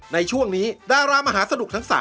ในช่วงนี้ดารามหาสนุกทั้ง๓